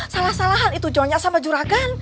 salah salahan itu jonya sama juragan